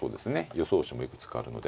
予想手もいくつかあるので。